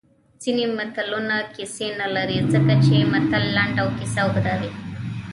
ځینې متلونه کیسې نه لري ځکه چې متل لنډ او کیسه اوږده وي